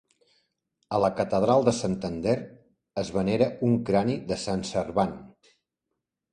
A la catedral de Santander es venera un crani de Sant Servand.